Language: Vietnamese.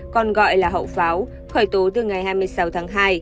còn gọi là hậu pháo khởi tố từ ngày hai mươi sáu tháng hai